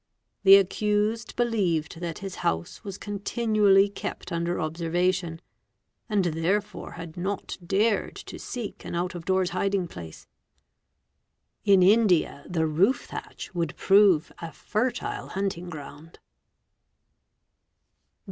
The accused believed | that his house was continually kept under observation, and therefore had not dared to seek an out of doors hiding place. In India the roof thatch would prove a fertile hunting ground.